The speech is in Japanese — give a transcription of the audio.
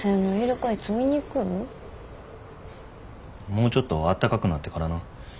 もうちょっとあったかくなってからな。